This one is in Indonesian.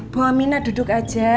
bu amina duduk aja